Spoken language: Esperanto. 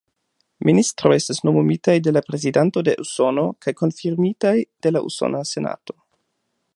Ministroj estas nomumitaj de la Prezidanto de Usono kaj konfirmitaj de la Usona Senato.